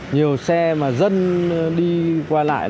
nhiều xe mà dân đi qua lại